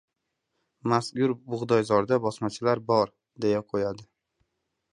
Mazkur bug‘doyzorda bosmachilar bor, deya yo‘yadi.